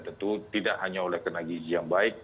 tentu tidak hanya oleh karena gizi yang baik